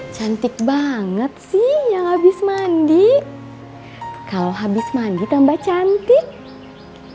cantik banget sih yang habis mandi kalau habis mandi tambah cantik